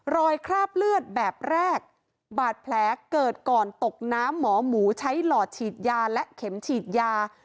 คราบเลือดแบบแรกบาดแผลเกิดก่อนตกน้ำหมอหมูใช้หลอดฉีดยาและเข็มฉีดยา